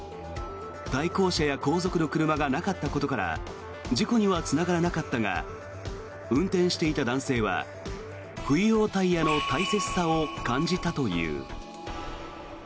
対向車や後続の車がなかったことから事故にはつながらなかったが運転していた男性は冬用タイヤの大切さを感じたという。